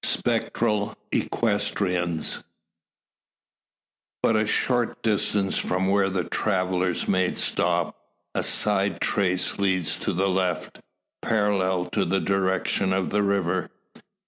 SPECTRAL EQUESTRIANS. But a short distance from where the travellers made stop, a side trace leads to the left, parallel to the direction of the river.